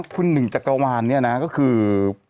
คุณหนึ่งจักรวาลเนี่ยนะก็คือ